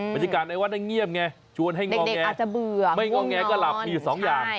บัตรฯการในวัดแต่เงียบไงชวนให้งอแงไม่งอแงก็หลับมีสองอย่าง